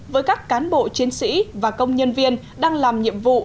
với các cán bộ chiến sĩ và công nhân viên đang làm nhiệm vụ